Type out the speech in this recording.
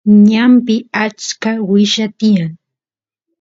ñanpi achka willa tiyan